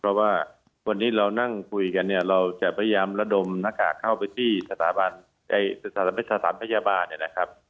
เพราะว่าวันนี้เรานั่งคุยกันแล้วจะพยายามและดมหน้ากากเข้าไปที่สถานพยาบาล